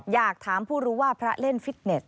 อยากถามผู้รู้ว่าพระเล่นฟิตเน็ต